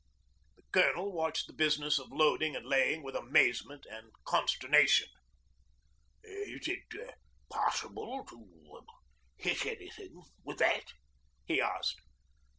The Colonel watched the business of loading and laying with amazement and consternation. 'Is it possible to er hit anything with that?' he asked.